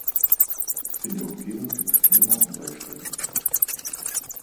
In der Umgebung gibt es gibt viele Mountainbike-Strecken.